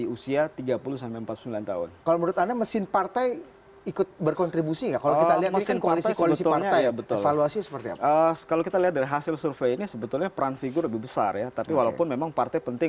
untuk bisa diperbaiki